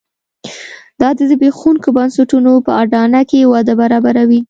دا د زبېښونکو بنسټونو په اډانه کې وده برابروي.